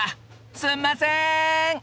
すんません！